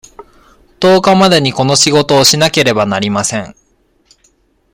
十日までにこの仕事をしなければなりません。